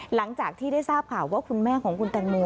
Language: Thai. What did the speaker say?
หลังจากที่ได้ทราบข่าวว่าคุณแม่ของคุณแตงโม